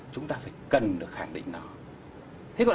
chúng ta phải cần được khẳng định nó